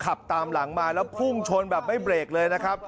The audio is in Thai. ขับตามหลังมาแล้วพุ่งชนแบบไม่เบรกเลยนะครับ